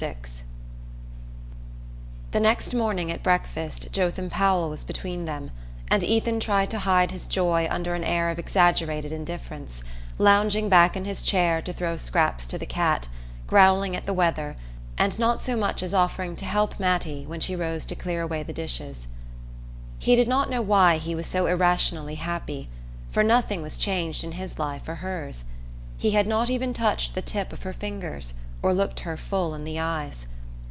VI The next morning at breakfast Jotham Powell was between them, and Ethan tried to hide his joy under an air of exaggerated indifference, lounging back in his chair to throw scraps to the cat, growling at the weather, and not so much as offering to help Mattie when she rose to clear away the dishes. He did not know why he was so irrationally happy, for nothing was changed in his life or hers. He had not even touched the tip of her fingers or looked her full in the eyes.